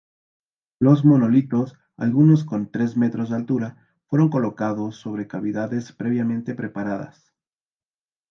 Los monolitos, algunos con tres metros de altura, fueron colocados sobre cavidades previamente preparadas.